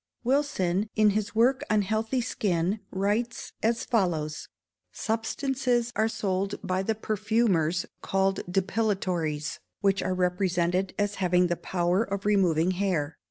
Wilson, in his work on Healthy Skin, writes as follows: "Substances are sold by the perfumers called depilatories, which are represented as having the power of removing hair.